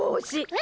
え